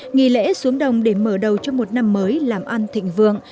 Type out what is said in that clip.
nghỉ lễ xuống đồng để mở đầu cho một năm mới làm ăn thịnh vượng